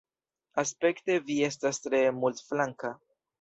Aspekte vi estas tre multflanka.